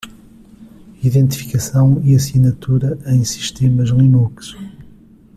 Identificação e assinatura em sistemas Linux.